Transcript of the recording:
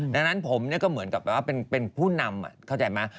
ดังนั้นผมก็เหมือนกับแบบว่าเป็นผู้นำเข้าใจไหม